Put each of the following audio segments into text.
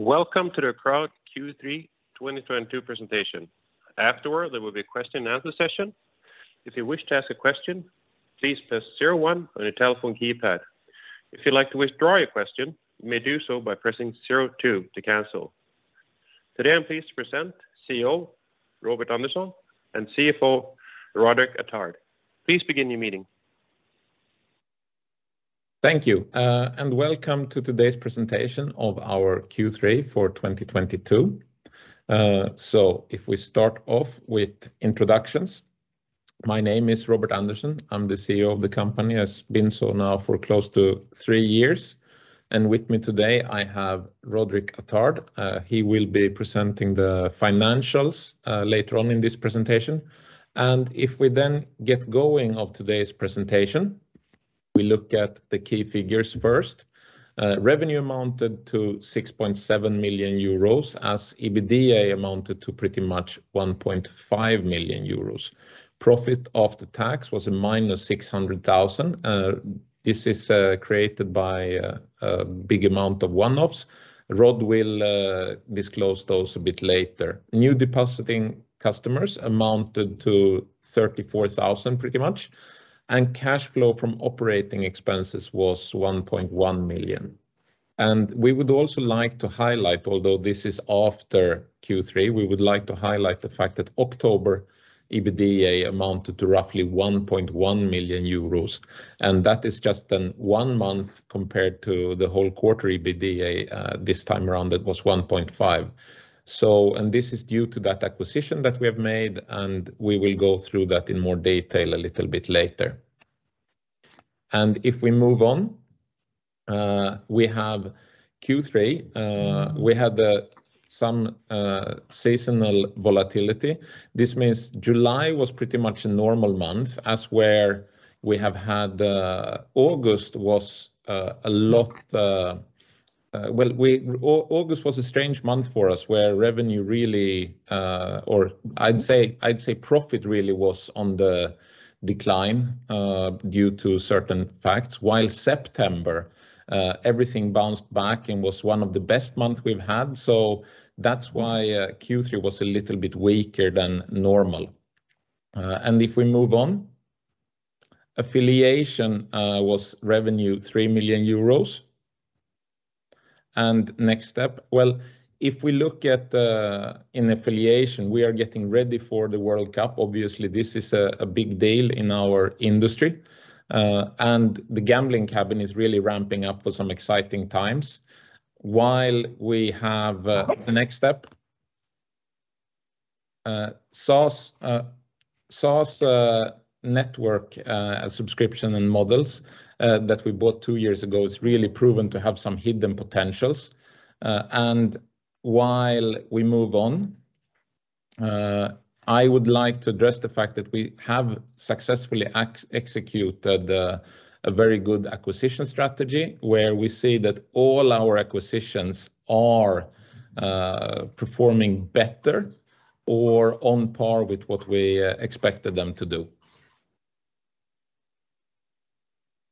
Welcome to the Acroud Q3 2022 presentation. Afterward, there will be a question and answer session. If you wish to ask a question, please press zero-one on your telephone keypad. If you'd like to withdraw your question, you may do so by pressing zero-two to cancel. Today I'm pleased to present CEO Robert Andersson and CFO Roderick Attard. Please begin your meeting. Thank you and welcome to today's presentation of our Q3 2022. If we start off with introductions, my name is Robert Andersson. I'm the CEO of the company and has been so now for close to three years. With me today I have Roderick Attard. He will be presenting the financials later on in this presentation. If we then get going of today's presentation, we look at the key figures first. Revenue amounted to 6.7 million euros and EBITDA amounted to pretty much 1.5 million euros. Profit after tax was -600,000. This is created by a big amount of one-offs. Rod will disclose those a bit later. New depositing customers amounted to 34,000 pretty much and cash flow from operating expenses was 1.1 million. We would also like to highlight, although this is after Q3, we would like to highlight the fact that October EBITDA amounted to roughly 1.1 million euros and that is just in one month compared to the whole quarter EBITDA this time around it was 1.5 million. This is due to that acquisition that we have made and we will go through that in more detail a little bit later. If we move on, we have Q3. We had some seasonal volatility. This means July was pretty much a normal month as where we have had, August was a lot. Well, August was a strange month for us, where revenue really or I'd say profit really was on the decline, due to certain facts, while September everything bounced back and was one of the best month we've had. That's why Q3 was a little bit weaker than normal. If we move on, affiliation revenue was 3 million euros. Next step, well, if we look at in affiliation, we are getting ready for the World Cup. Obviously, this is a big deal in our industry. The Gambling Cabin is really ramping up for some exciting times. While we have the next step, SaaS network subscription and models that we bought two years ago is really proven to have some hidden potentials. While we move on, I would like to address the fact that we have successfully executed a very good acquisition strategy where we see that all our acquisitions are performing better or on par with what we expected them to do.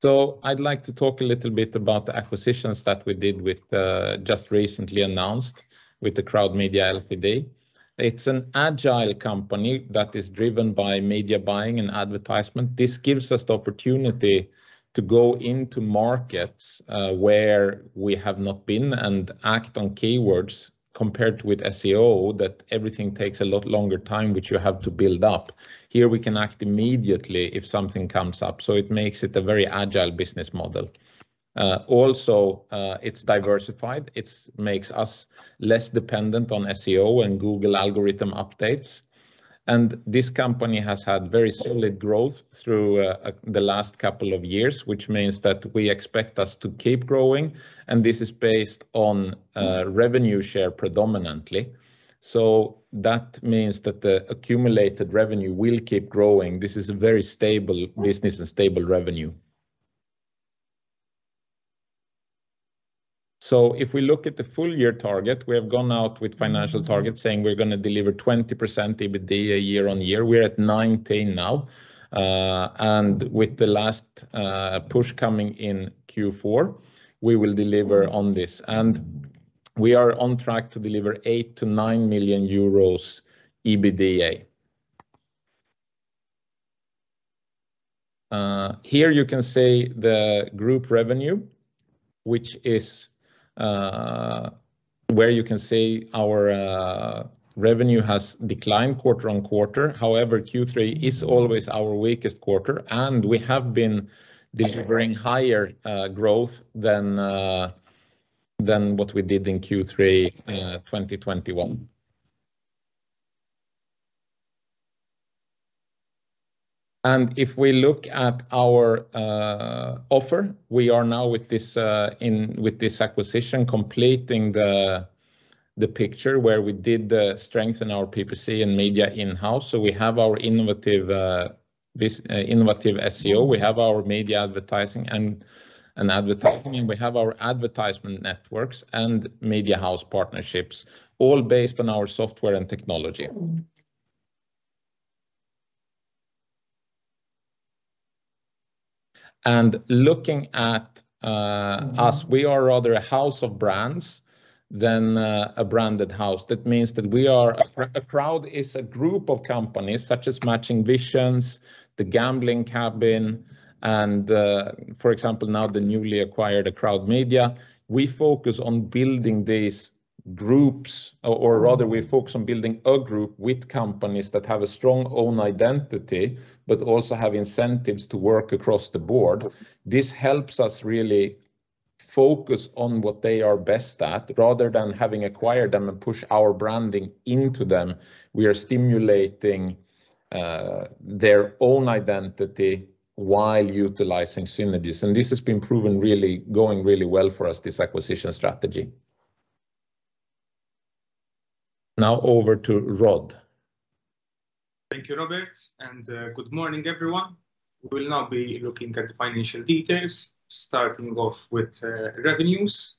I'd like to talk a little bit about the acquisitions that we did with the just recently announced with the Acroud Media Ltd. It's an agile company that is driven by media buying and advertisement. This gives us the opportunity to go into markets where we have not been and act on keywords compared with SEO, that everything takes a lot longer time, which you have to build up. Here we can act immediately if something comes up, so it makes it a very agile business model. Also, it's diversified. It makes us less dependent on SEO and Google algorithm updates. This company has had very solid growth through the last couple of years, which means that we expect it to keep growing and this is based on revenue share predominantly. That means that the accumulated revenue will keep growing. This is a very stable business and stable revenue. If we look at the full year target, we have gone out with financial targets saying we're gonna deliver 20% EBITDA year-over-year. We're at 19% now and with the last push coming in Q4, we will deliver on this. We are on track to deliver 8-9 million euros EBITDA. Here you can see the group revenue, which is where you can see our revenue has declined quarter-over-quarter. However, Q3 is always our weakest quarter and we have been delivering higher growth than what we did in Q3 2021. If we look at our offering, we are now with this acquisition completing the picture where we did strengthen our PPC and media in-house. We have our innovative SEO, we have our media advertising and advertising, we have our advertisement networks and media house partnerships, all based on our software and technology. Looking at us, we are rather a house of brands than a branded house. That means that Acroud is a group of companies such as Matching Visions, The Gambling Cabin and, for example, now the newly acquired Acroud Media. We focus on building these groups or rather we focus on building a group with companies that have a strong own identity but also have incentives to work across the board. This helps us really focus on what they are best at. Rather than having acquired them and push our branding into them, we are stimulating their own identity while utilizing synergies. This has been proven really going really well for us, this acquisition strategy. Now over to Rod. Thank you, Robert and good morning, everyone. We'll now be looking at the financial details, starting off with revenues.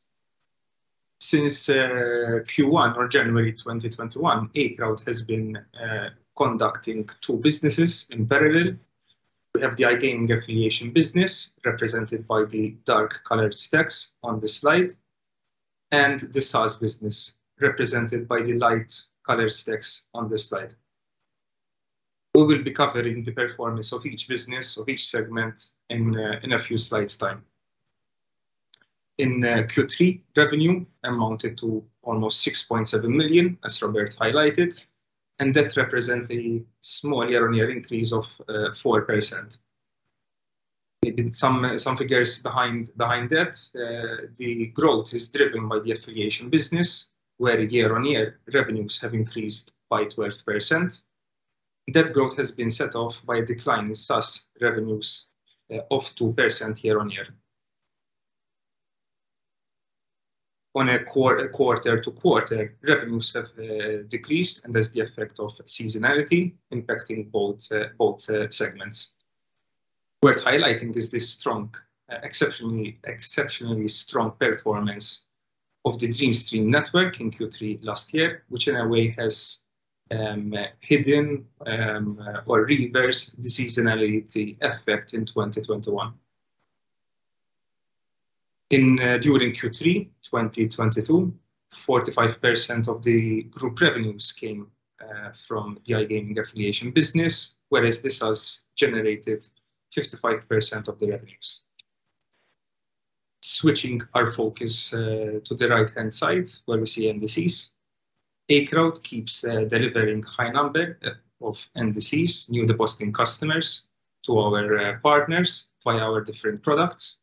Since Q1 or January 2021, Acroud has been conducting two businesses in parallel. We have the iGaming affiliation business, represented by the dark-colored stacks on this slide and the SaaS business represented by the light color stacks on this slide. We will be covering the performance of each business or each segment in a few slides time. In Q3, revenue amounted to almost 6.7 million, as Robert highlighted and that represent a small year-on-year increase of 4%. In some figures behind that, the growth is driven by the affiliation business, where year-on-year revenues have increased by 12%. That growth has been set off by a decline in SaaS revenues of 2% year on year. On a quarter-to-quarter, revenues have decreased and that's the effect of seasonality impacting both segments. Worth highlighting is the strong, exceptionally strong performance of the DreamStream network in Q3 last year, which in a way has hidden or reversed the seasonality effect in 2021. During Q3 2022, 45% of the group revenues came from the iGaming affiliation business, whereas this has generated 55% of the revenues. Switching our focus to the right-hand side where we see NDCs. Acroud keeps delivering high number of NDCs, new depositing customers, to our partners via our different products.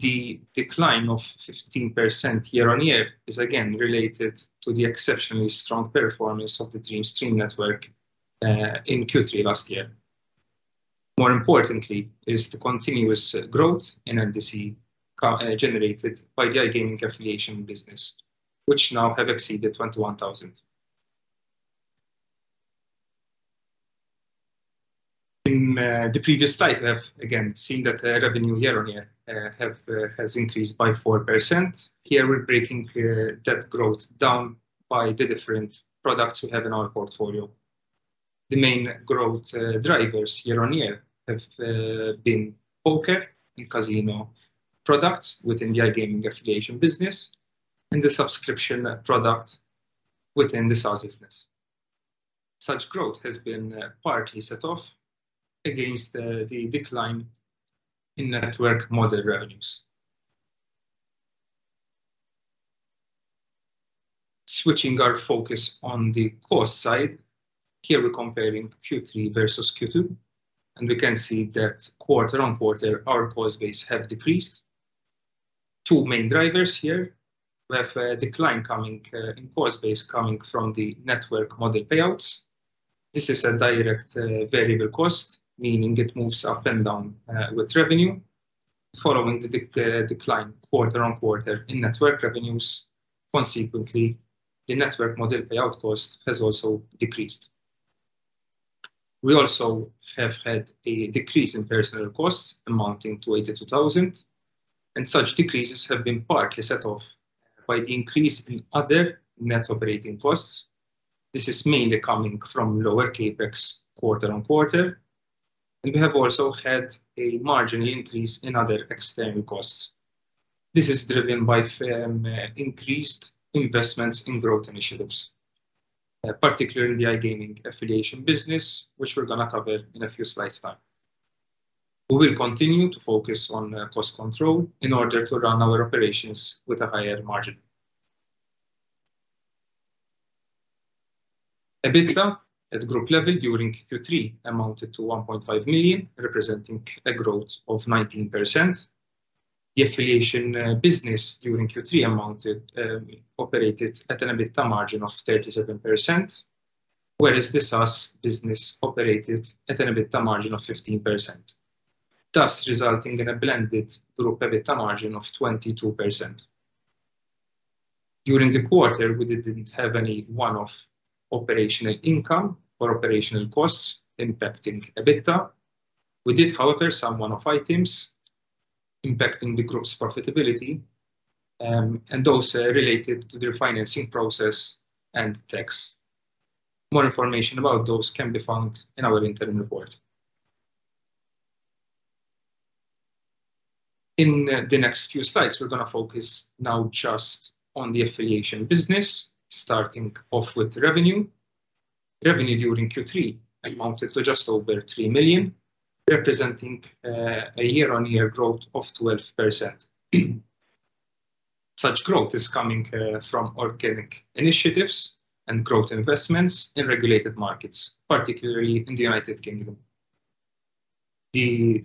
The decline of 15% year-on-year is again related to the exceptionally strong performance of the DreamStream network in Q3 last year. More importantly is the continuous growth in NDC generated by the iGaming affiliation business, which now have exceeded 21,000. In the previous slide, we have again seen that revenue year-on-year has increased by 4%. Here, we're breaking that growth down by the different products we have in our portfolio. The main growth drivers year-on-year have been poker and casino products within the iGaming affiliation business and the subscription product within the SaaS business. Such growth has been partly set off against the decline in network model revenues. Switching our focus on the cost side. Here, we're comparing Q3 versus Q2 and we can see that quarter-over-quarter, our cost base have decreased. Two main drivers here. We have a decline coming in cost base coming from the network model payouts. This is a direct variable cost, meaning it moves up and down with revenue. Following the decline quarter-over-quarter in network revenues, consequently, the network model payout cost has also decreased. We also have had a decrease in personnel costs amounting to 82 thousand and such decreases have been partly set off by the increase in other net operating costs. This is mainly coming from lower CapEx quarter-over-quarter. We have also had a marginal increase in other external costs. This is driven by increased investments in growth initiatives, particularly the iGaming affiliation business, which we're gonna cover in a few slides time. We will continue to focus on cost control in order to run our operations with a higher margin. EBITDA at group level during Q3 amounted to 1.5 million, representing a growth of 19%. The affiliate business during Q3 operated at an EBITDA margin of 37%, whereas the SaaS business operated at an EBITDA margin of 15%, thus resulting in a blended group EBITDA margin of 22%. During the quarter, we didn't have any one-off operational income or operational costs impacting EBITDA. We did, however, some one-off items impacting the group's profitability and those are related to the refinancing process and tax. More information about those can be found in our interim report. In the next few slides, we're gonna focus now just on the affiliate business, starting off with revenue. Revenue during Q3 amounted to just over 3 million, representing a year-on-year growth of 12%. Such growth is coming from organic initiatives and growth investments in regulated markets, particularly in the United Kingdom. The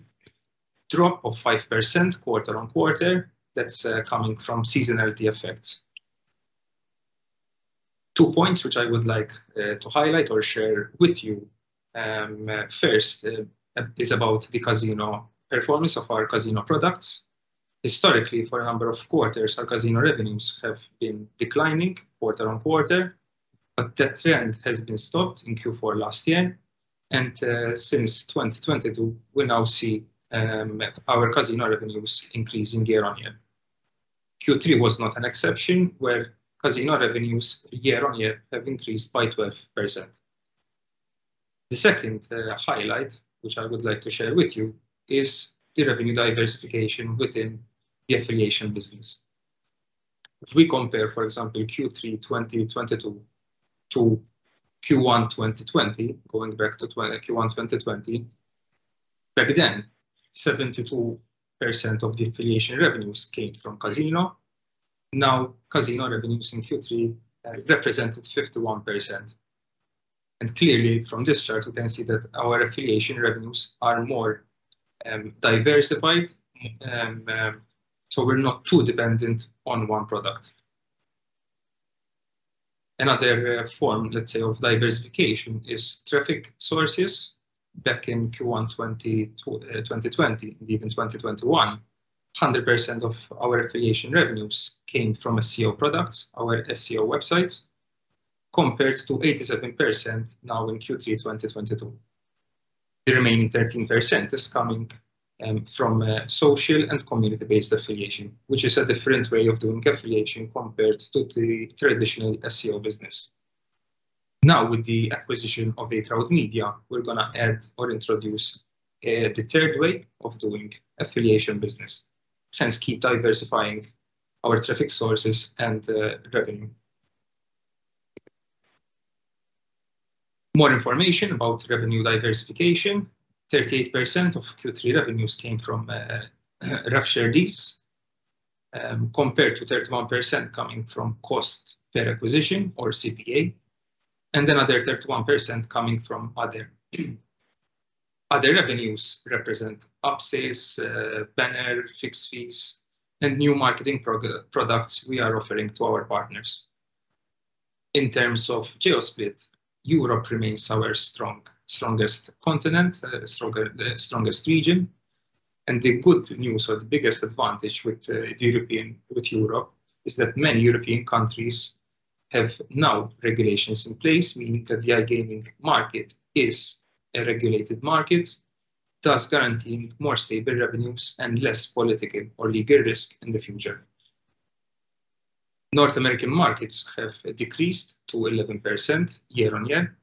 drop of 5% quarter-on-quarter, that's coming from seasonality effects. Two points which I would like to highlight or share with you. First is about the casino performance of our casino products. Historically, for a number of quarters, our casino revenues have been declining quarter-on-quarter. That trend has been stopped in Q4 last year and since 2022, we now see our casino revenues increasing year-on-year. Q3 was not an exception, where casino revenues year-on-year have increased by 12%. The second highlight, which I would like to share with you, is the revenue diversification within the affiliate business. If we compare, for example, Q3 2022 to Q1 2020. Back then, 72% of the affiliate revenues came from casino. Now, casino revenues in Q3 represented 51%. Clearly, from this chart, we can see that our affiliate revenues are more diversified. So we're not too dependent on one product. Another form, let's say, of diversification is traffic sources. Back in Q1 2020 and even 2021, 100% of our affiliate revenues came from SEO products, our SEO websites, compared to 87% now in Q3 2022. The remaining 13% is coming from social and community-based affiliation, which is a different way of doing affiliation compared to the traditional SEO business. Now, with the acquisition of Acroud Media, we're gonna add or introduce the third way of doing affiliation business. Hence, keep diversifying our traffic sources and revenue. More information about revenue diversification. 38% of Q3 revenues came from revshare deals, compared to 31% coming from cost per acquisition or CPA and another 31% coming from other. Other revenues represent upsales, banner, fixed fees and new marketing products we are offering to our partners. In terms of geo split, Europe remains our strongest continent, the strongest region. The good news or the biggest advantage with Europe is that many European countries have now regulations in place, meaning that the iGaming market is a regulated market, thus guaranteeing more stable revenues and less political or legal risk in the future. North American markets have decreased to 11% year-on-year.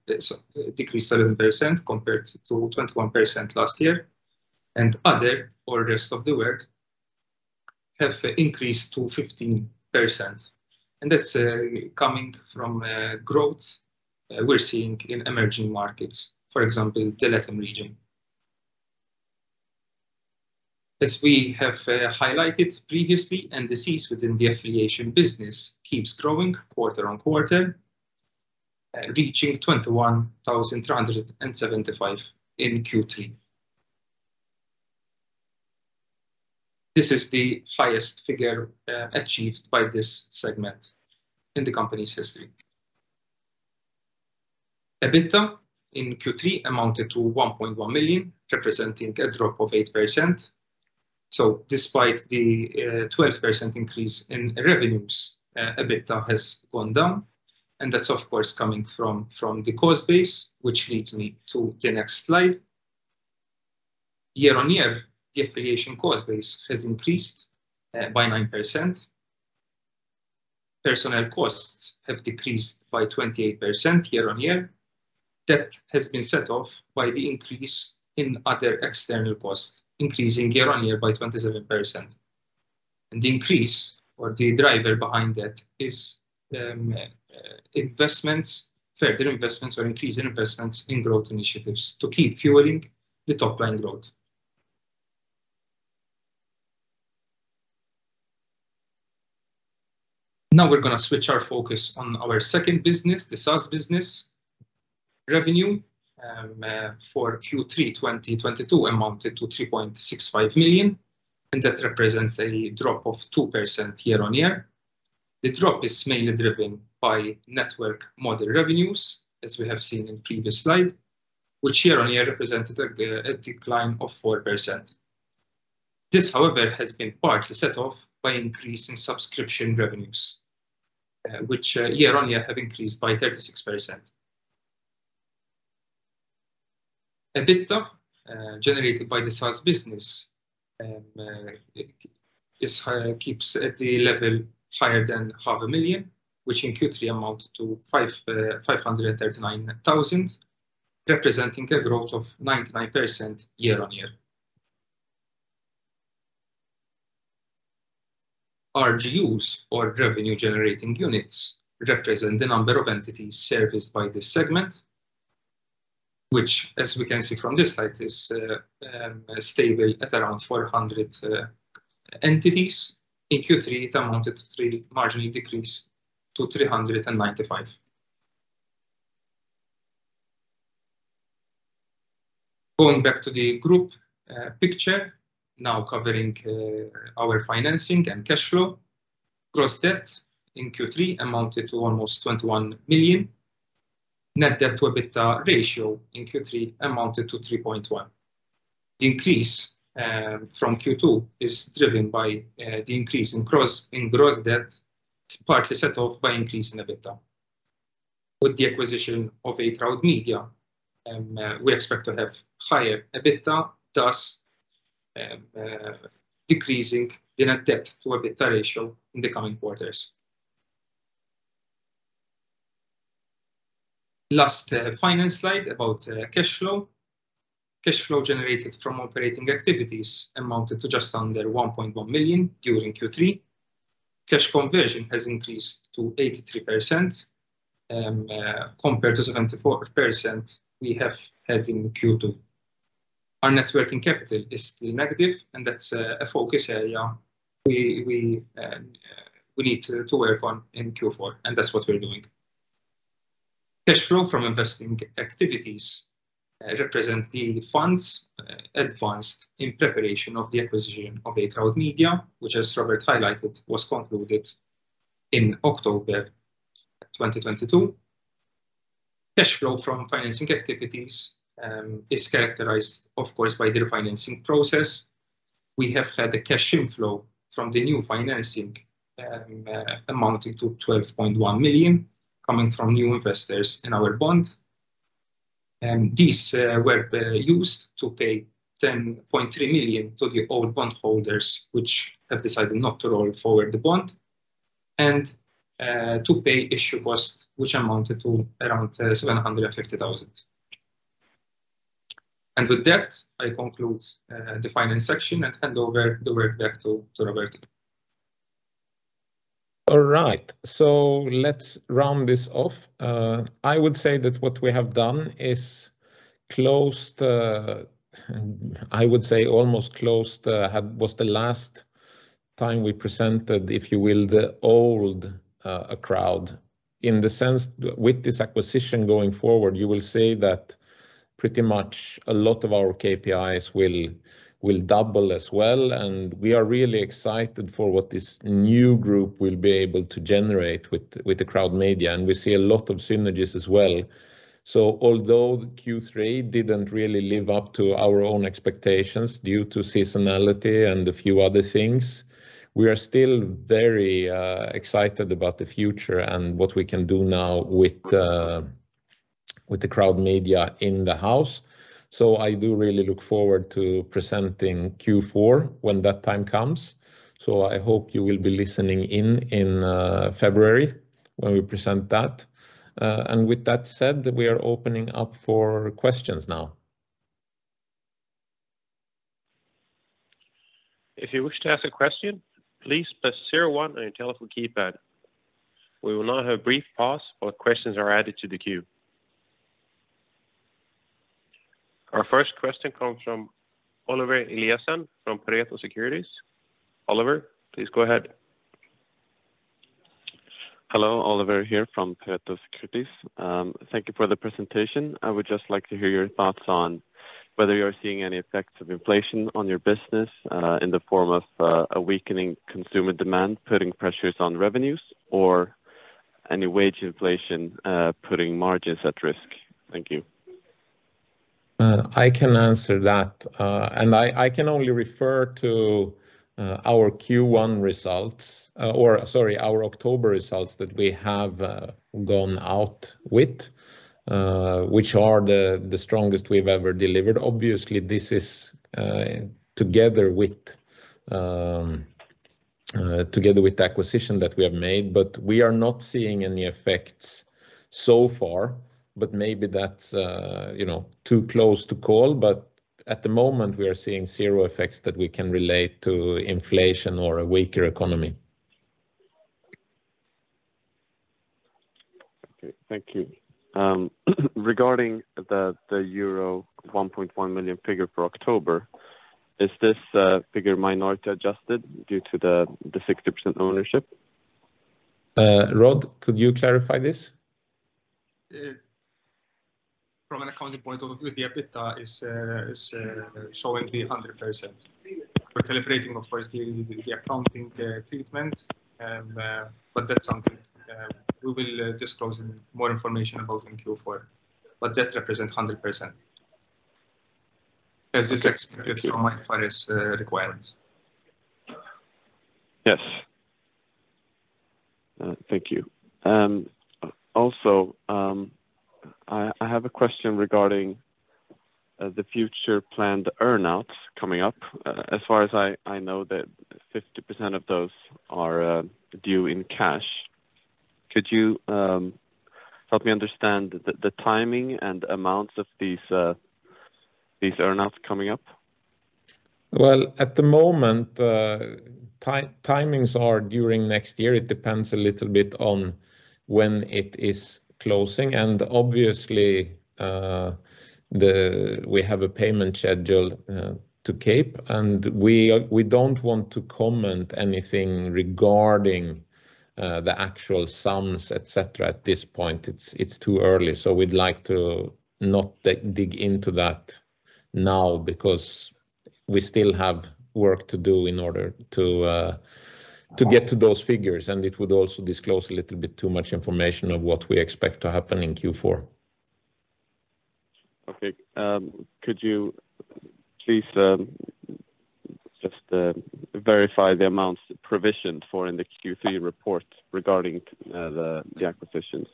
Decreased 11% compared to 21% last year. Other or rest of the world, have increased to 15% and that's coming from growth we're seeing in emerging markets, for example, the LATAM region. As we have highlighted previously, NDCs within the affiliation business keeps growing quarter-on-quarter, reaching 21,375 in Q3. This is the highest figure achieved by this segment in the company's history. EBITDA in Q3 amounted to 1.1 million, representing a drop of 8%. Despite the twelve percent increase in revenues, EBITDA has gone down and that's, of course, coming from the cost base, which leads me to the next slide. Year-on-year, the affiliation cost base has increased by 9%. Personnel costs have decreased by 28% year-on-year. That has been set off by the increase in other external costs, increasing year-on-year by 27%. The increase or the driver behind that is investments, further investments or increase in investments in growth initiatives to keep fueling the top-line growth. Now we're gonna switch our focus on our second business, the SaaS business. Revenue for Q3 2022 amounted to 3.65 million and that represents a drop of 2% year-on-year. The drop is mainly driven by network model revenues, as we have seen in previous slide, which year-on-year represented a decline of 4%. This, however, has been partly set off by increase in subscription revenues, which year-on-year have increased by 36%. EBITDA generated by the SaaS business keeps at the level higher than half a million, which in Q3 amounted to 539 thousand, representing a growth of 99% year-on-year. RGUs or Revenue Generating Units represent the number of entities serviced by this segment, which as we can see from this slide, is stable at around 400 entities. In Q3, it amounted to 3, marginally decreased to 395. Going back to the group picture now covering our financing and cash flow. Gross debt in Q3 amounted to almost 21 million. Net debt to EBITDA ratio in Q3 amounted to 3.1. The increase from Q2 is driven by the increase in gross debt, partly set off by increase in EBITDA. With the acquisition of Acroud Media, we expect to have higher EBITDA, thus decreasing the net debt to EBITDA ratio in the coming quarters. Last finance slide about cash flow. Cash flow generated from operating activities amounted to just under 1.1 million during Q3. Cash conversion has increased to 83%, compared to 74% we have had in Q2. Our net working capital is still negative and that's a focus area we need to work on in Q4 and that's what we're doing. Cash flow from investing activities represent the funds advanced in preparation of the acquisition of Acroud Media, which as Robert highlighted, was concluded in October 2022. Cash flow from financing activities is characterized, of course, by the refinancing process. We have had a cash inflow from the new financing amounting to 12.1 million coming from new investors in our bond. These were used to pay 10.3 million to the old bond holders which have decided not to roll forward the bond and to pay issue costs which amounted to around 750 thousand. With that, I conclude the finance section and hand over the word back to Robert. All right, let's round this off. I would say that what we have done is closed, I would say almost closed. Was the last time we presented, if you will, the old Acroud in the sense with this acquisition going forward, you will see that pretty much a lot of our KPIs will double as well. We are really excited for what this new group will be able to generate with the Acroud Media and we see a lot of synergies as well. Although Q3 didn't really live up to our own expectations due to seasonality and a few other things, we are still very excited about the future and what we can do now with the Acroud Media in the house. I do really look forward to presenting Q4 when that time comes. I hope you will be listening in February when we present that. With that said, we are opening up for questions now. If you wish to ask a question, please press zero one on your telephone keypad. We will now have a brief pause while questions are added to the queue. Our first question comes from Oliver Eliassen from Pareto Securities. Oliver, please go ahead. Hello, Oliver here from Pareto Securities. Thank you for the presentation. I would just like to hear your thoughts on whether you're seeing any effects of inflation on your business, in the form of a weakening consumer demand, putting pressures on revenues or any wage inflation, putting margins at risk. Thank you. I can answer that. I can only refer to our October results that we have gone out with, which are the strongest we've ever delivered. Obviously, this is together with the acquisition that we have made but we are not seeing any effects so far. Maybe that's you know too close to call. At the moment we are seeing zero effects that we can relate to inflation or a weaker economy. Okay. Thank you. Regarding the euro 1.1 million figure for October, is this figure minority adjusted due to the 60% ownership? Rod, could you clarify this? From an accounting point of view, the EBITDA is showing 100%. We're calibrating, of course, the accounting treatment. That's something we will disclose more information about in Q4. That represents 100% as is expected from IFRS requirements. Thank you. Also, I have a question regarding the future planned earn-outs coming up. As far as I know that 50% of those are due in cash. Could you help me understand the timing and amounts of these earn-outs coming up? Well, at the moment, timings are during next year. It depends a little bit on when it is closing and obviously, we have a payment schedule to Cape and we don't want to comment anything regarding the actual sums, et cetera, at this point. It's too early, so we'd like to not dig into that now because we still have work to do in order to get to those figures and it would also disclose a little bit too much information of what we expect to happen in Q4. Okay. Could you please just verify the amounts provisioned for in the Q3 report regarding the acquisitions?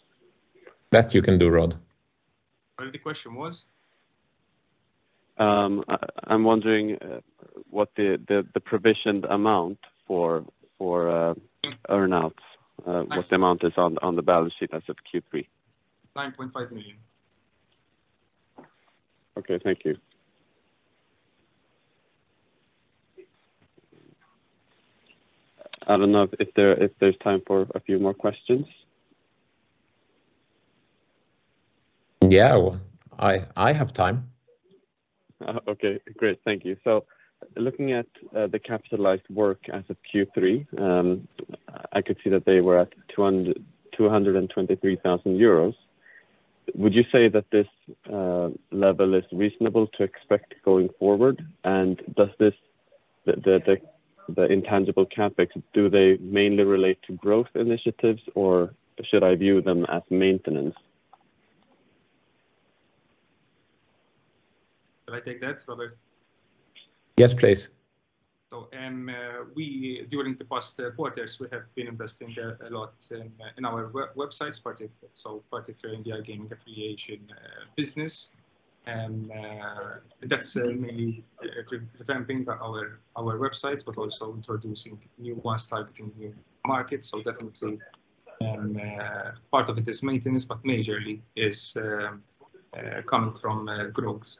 That you can do, Rod. What the question was? I'm wondering what the provisioned amount for earn-outs? What the amount is on the balance sheet as of Q3. 9.5 million. Okay. Thank you. I don't know if there's time for a few more questions. Yeah. Well, I have time. Oh, okay. Great. Thank you. Looking at the CapEx as of Q3, I could see that they were at 223,000 euros. Would you say that this level is reasonable to expect going forward? Does this, the intangible CapEx, do they mainly relate to growth initiatives or should I view them as maintenance? Can I take that, Robert? Yes, please. We, during the past quarters, we have been investing a lot in our websites, particularly iGaming affiliate business. That's maybe revamping our websites but also introducing new ones targeting new markets. Definitely, part of it is maintenance but majorly is coming from growth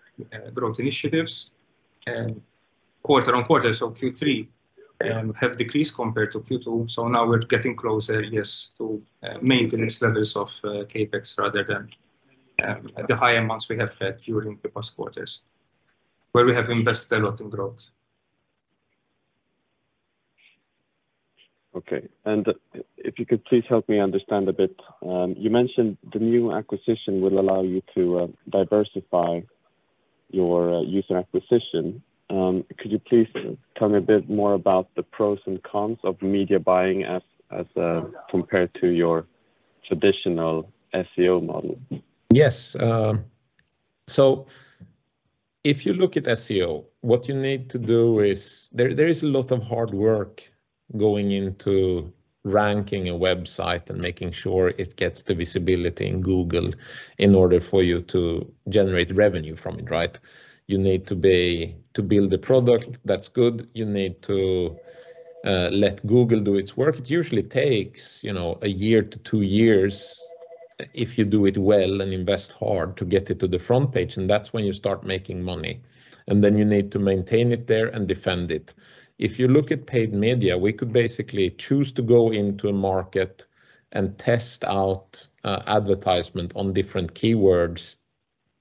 initiatives. Quarter-over-quarter, Q3 have decreased compared to Q2, so now we're getting closer, yes, to maintenance levels of CapEx rather than the high amounts we have had during the past quarters where we have invested a lot in growth. Okay. If you could please help me understand a bit. You mentioned the new acquisition will allow you to diversify your user acquisition. Could you please tell me a bit more about the pros and cons of media buying as compared to your traditional SEO model? Yes. If you look at SEO, what you need to do is there is a lot of hard work going into ranking a website and making sure it gets the visibility in Google in order for you to generate revenue from it, right? You need to build a product that's good. You need to let Google do its work. It usually takes, you know, one year to two years if you do it well and invest hard to get it to the front page and that's when you start making money. You need to maintain it there and defend it. If you look at paid media, we could basically choose to go into a market and test out advertisement on different keywords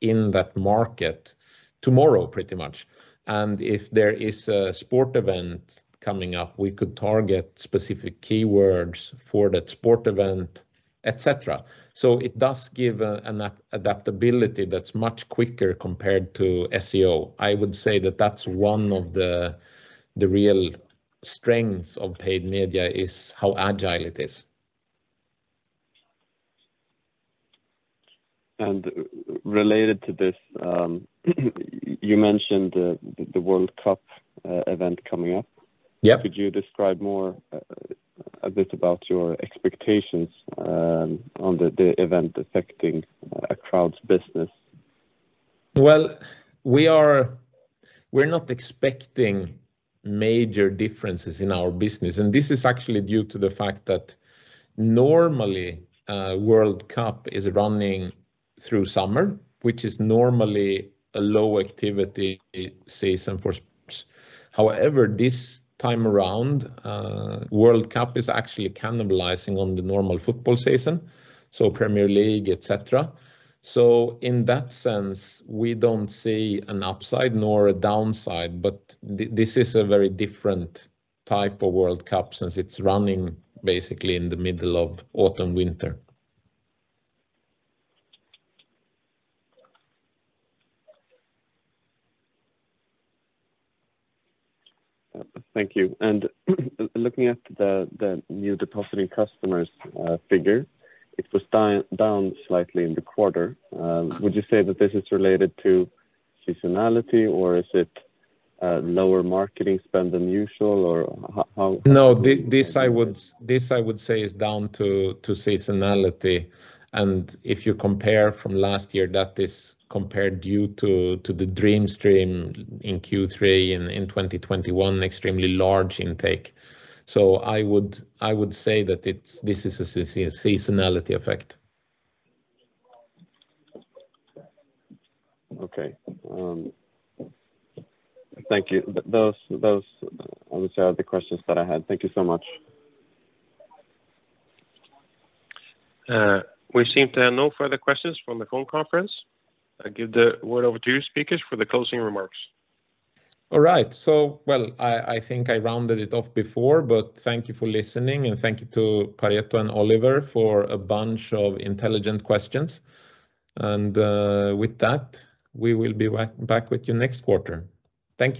in that market tomorrow pretty much. If there is a sports event coming up, we could target specific keywords for that sports event, et cetera. It does give an adaptability that's much quicker compared to SEO. I would say that that's one of the real strengths of paid media is how agile it is. Related to this, you mentioned the World Cup event coming up. Could you describe more, a bit about your expectations on the event affecting Acroud's business? Well, we're not expecting major differences in our business and this is actually due to the fact that normally, World Cup is running through summer, which is normally a low activity season for sports. However, this time around, World Cup is actually cannibalizing on the normal football season, so Premier League, et cetera. In that sense, we don't see an upside nor a downside but this is a very different type of World Cup since it's running basically in the middle of autumn, winter. Thank you. Looking at the new depositing customers figure, it was down slightly in the quarter. Would you say that this is related to seasonality or is it lower marketing spend than usual or how? No. This I would say is down to seasonality. If you compare to last year, that is due to the DreamStream in Q3 in 2021 extremely large intake. I would say that this is a seasonality effect. Okay. Thank you. Those honestly are the questions that I had. Thank you so much. We seem to have no further questions from the phone conference. I give the word over to you speakers for the closing remarks. All right. Well, I think I rounded it off before but thank you for listening and thank you to Pareto and Oliver for a bunch of intelligent questions. With that, we will be back with you next quarter. Thank you.